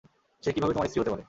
সে কিভাবে তোমার স্ত্রী হতে পারে?